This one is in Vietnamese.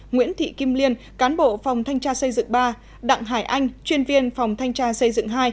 nguyễn thị kim liên cán bộ phòng thanh tra xây dựng ba đặng hải anh chuyên viên phòng thanh tra xây dựng hai